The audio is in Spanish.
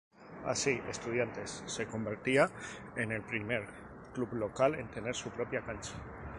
Así, Estudiantes se convertía en el primer club local en tener su propia cancha.